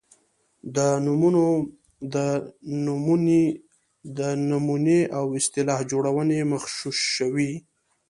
د نومونې او اصطلاح جوړونې مغشوشوي.